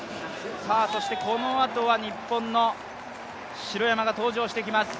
そしてこのあとは日本の城山が登場してきます。